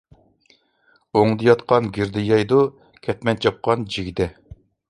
ئوڭدا ياتقان گىردە يەيدۇ، كەتمەن چاپقان جىگدە.